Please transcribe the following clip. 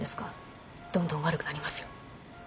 どんどん悪くなりますよ。